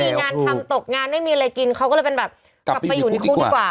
มีงานทำตกงานไม่มีอะไรกินเขาก็เลยเป็นแบบกลับไปอยู่ในคุกดีกว่า